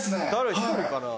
１人かな？